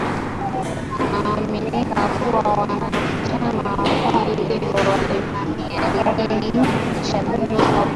wanaoaminika kuwa wanachama wa kundi hilo walivamia kijiji cha Bulongo